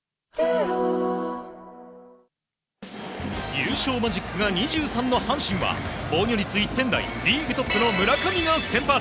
優勝マジックが２３の阪神は、防御率１点台、リーグトップの村上が先発。